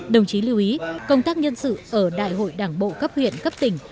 đồng chí lưu ý công tác nhân sự ở đại hội đảng bộ cấp huyện cấp tỉnh